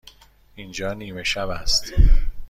اینجا نیمه شب است.